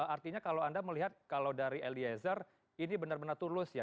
artinya kalau anda melihat kalau dari eliezer ini benar benar tulus ya